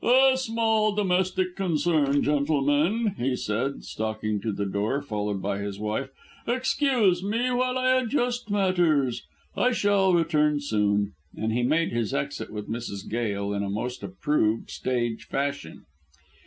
"A small domestic concern, gentlemen," he said, stalking to the door followed by his wife. "Excuse me while I adjust matters. I shall return soon," and he made his exit with Mrs. Gail in a most approved stage fashion.